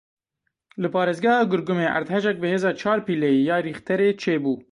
Li parêzgeha Gurgumê erdhejek bi hêza çar pileyî ya rîxterê çê bû.